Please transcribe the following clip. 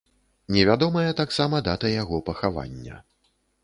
Невядомая таксама дата яго пахавання.